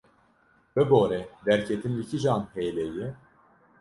Bibore, derketin li kîjan hêlê ye?